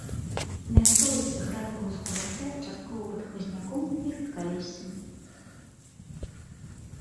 Мясцовасць градава-ўзгорыстая, часткова пад хмызняком і рэдкалессем.